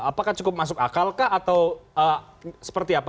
apakah cukup masuk akalkah atau seperti apa